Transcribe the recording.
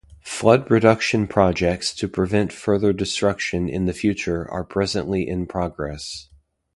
Flood reduction projects to prevent further destruction in the future are presently in progress.